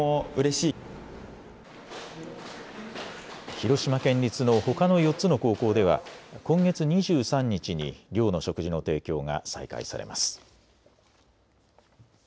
広島県立のほかの４つの高校では今月２３日に寮の食事の提供が再開されます。